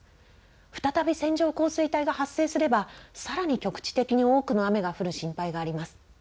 再び線状降水帯が発生すれば、さらに局地的に多くの雨が降る心配があります。